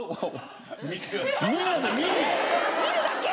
見るだけ！？